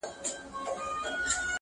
دا راته مه وايه چي تا نه منم دى نه منم.